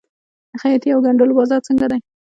د خیاطۍ او ګنډلو بازار څنګه دی؟